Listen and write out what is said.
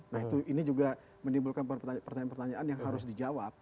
nah itu juga menimbulkan pertanyaan pertanyaan yang harus dijawab